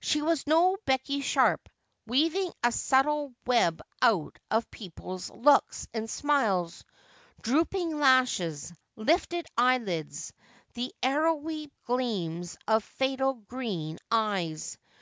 She was no Becky Sharp, weaving a subtle web out of people's looks and smiles, drooping lashes, lifted eyelids, the arrowy gleams of fatal green eyes.